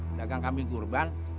pedagang kambing kurban